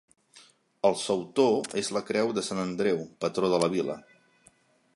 El sautor és la creu de sant Andreu, patró de la vila.